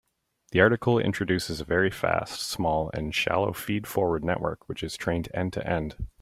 The article introduces a very fast, small, and shallow feed-forward network which is trained end-to-end.